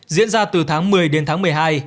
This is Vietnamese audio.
diễn ra từ tháng một mươi đến tháng một mươi hai